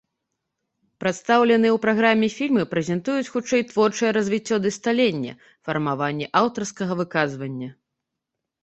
Прадстаўленыя ў праграме фільмы прэзентуюць хутчэй творчае развіццё ды сталенне, фармаванне аўтарскага выказвання.